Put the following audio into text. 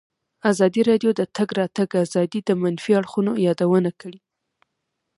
ازادي راډیو د د تګ راتګ ازادي د منفي اړخونو یادونه کړې.